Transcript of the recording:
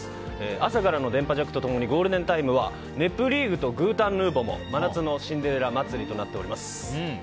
朝からの電波ジャックと共にゴールデンタイムは「ネプリーグ」と「グータンヌーボ」も「真夏のシンデレラ」祭りとなっております。